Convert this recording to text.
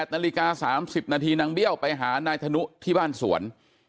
นาฬิกา๓๐นาทีนางเบี้ยวไปหานายธนุที่บ้านสวน